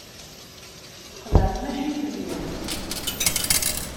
Teqleɛ tmacint-nni.